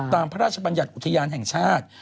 พระราชบัญญัติอุทยานแห่งชาติ